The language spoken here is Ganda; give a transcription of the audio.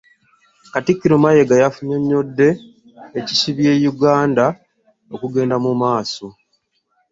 Katikkiro Mayiga yannyonnyodde ekisibye Uganda okugenda mu maaso.